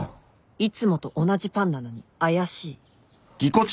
いつもと同じパンなのに怪しい